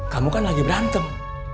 kamu kan lagi berantem